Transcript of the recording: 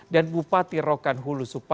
dan bupati rokas